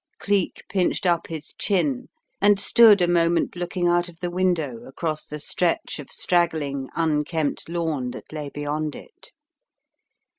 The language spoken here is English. Cleek pinched up his chin and stood a moment looking out of the window across the stretch of straggling, unkempt lawn that lay beyond it.